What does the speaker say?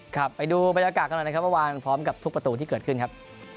ครับไปดูบรรยากาศกันหน่อยนะครับเมื่อวานพร้อมกับทุกประตูที่เกิดขึ้นครับ